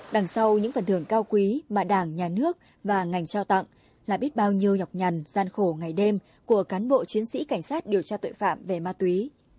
đằng sau những phần thưởng cao quý mà đảng nhà nước và ngành trao tặng là biết bao nhiêu nhọc nhằn gian khổ ngày đêm của cán bộ chiến sĩ cảnh sát điều tra tội phạm về ma túy